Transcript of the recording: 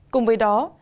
cùng với đó